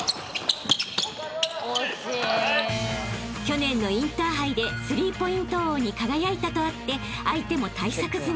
［去年のインターハイでスリーポイント王に輝いたとあって相手も対策済み］